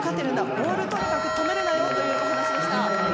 ボールをとにかく止めるなよというお話でした。